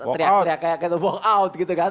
tria tria kayak gitu walk out gitu kan